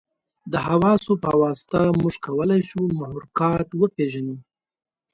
د حواسو په واسطه موږ کولای شو محرکات وپېژنو.